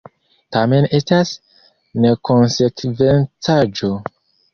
Tamen estas nekonsekvencaĵo.